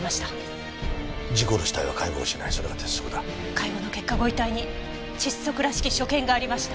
解剖の結果ご遺体に窒息らしき所見がありました。